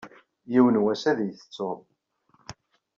Yiwen n wass ad iyi-tettuḍ.